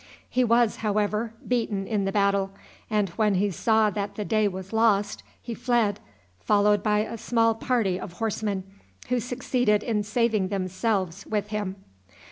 He was, however, beaten in the battle, and, when he saw that the day was lost, he fled, followed by a small party of horsemen, who succeeded in saving themselves with him.